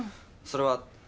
それは。